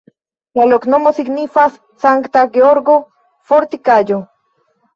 La loknomo signifas Sankta Georgo-fortikaĵo.